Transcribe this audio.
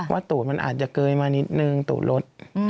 ตูดมันอาจจะเกยมานิดนึงตูดรถ